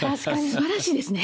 すばらしいですね。